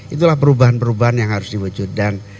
itulah perubahan perubahan yang harus diwujudkan